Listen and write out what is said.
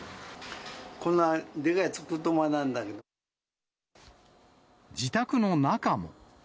こんなでかいやつ、自宅の中も。